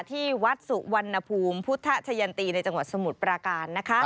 ที่วัดสุวรรณภูมิพุทธชะยันตีในจังหวัดสมุทรปราการนะคะ